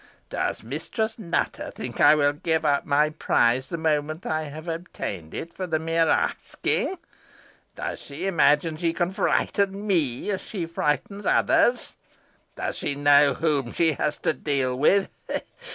Does Mistress Nutter think I will give up my prize the moment I have obtained it, for the mere asking? Does she imagine she can frighten me as she frightens others? Does she know whom she has to deal with?